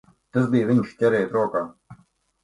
Tas bija viņš! Ķeriet rokā!